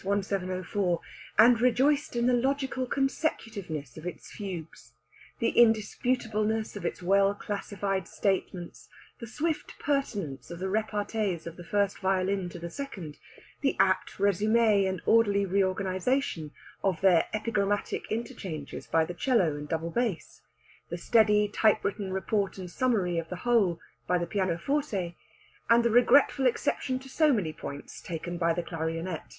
1704, and rejoiced in the logical consecutiveness of its fugues, the indisputableness of its well classified statements, the swift pertinence of the repartees of the first violin to the second, the apt résumé and orderly reorganization of their epigrammatic interchanges by the 'cello and the double bass, the steady typewritten report and summary of the whole by the pianoforte, and the regretful exception to so many points taken by the clarionet.